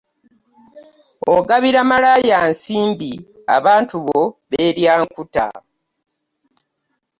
Ogabira bamalaaya nsimbi abantu bo beerya nkuta.